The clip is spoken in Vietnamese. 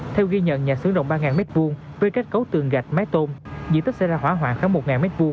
theo ghi nhận nhà xướng rộng ba m hai với cách cấu tường gạch mái tôm dự tích sẽ ra hóa hoảng khoảng một m hai